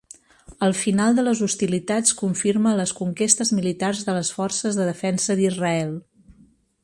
El final de les hostilitats confirma les conquestes militars de les Forces de Defensa d'Israel.